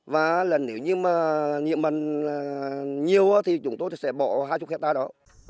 và nếu như mà nhiễm mặn nhiều thì chúng tôi sẽ bỏ hai mươi hectare đó